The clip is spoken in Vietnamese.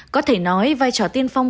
có thể nói vai trò tiên phong